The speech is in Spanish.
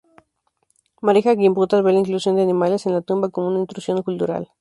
Marija Gimbutas ve la inclusión de animales en la tumba como una intrusión cultural.